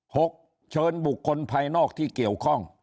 หกเชิญบุคคลภายนอกที่เกี่ยวข้อง